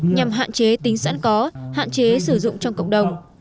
nhằm hạn chế tính sẵn có hạn chế sử dụng trong cộng đồng